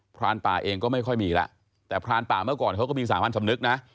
รานป่าเองก็ไม่ค่อยมีแล้วแต่พรานป่าเมื่อก่อนเขาก็มีสามัญสำนึกนะ